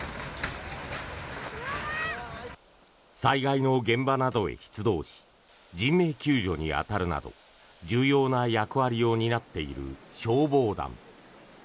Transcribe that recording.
災害の現場などへ出動し人命救助に当たるなど重要な役割を担っている消防団。